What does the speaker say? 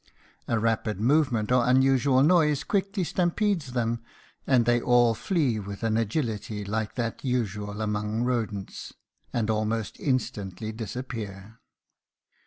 A rapid movement or unusual noise quickly stampedes them, and they all flee with an agility like that usual among rodents, and almost instantly disappear.